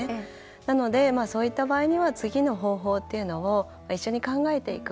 なのでそういった場合には次の方法というのを一緒に考えていく。